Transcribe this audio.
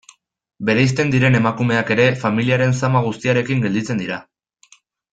Bereizten diren emakumeak ere, familiaren zama guztiarekin gelditzen dira.